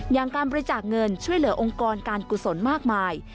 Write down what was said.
อย่างการบริจาคเงินช่วยเหลือองค์กรการกุศลมากมาย